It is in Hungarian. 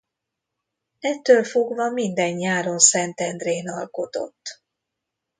Ettől fogva minden nyáron Szentendrén alkotott.